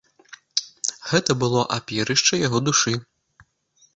Гэта было апірышча яго душы.